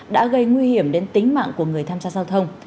đã gây nguy hiểm đến tính mạng của người tham gia giao thông